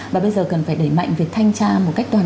và bây giờ cần phải đẩy mạnh việc thanh tra